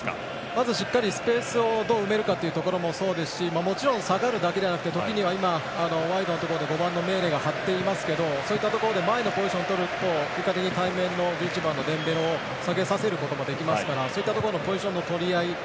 まずしっかりスペースをどう埋めるかもそうですしもちろん、下がるだけではなくて時には今、ワイドに５番のメーレが張っていますけどそういったところで前のポジションをとると結果的に対面の１１番、デンベレを下げさせることになりますからそういったところのポジションの取り合い。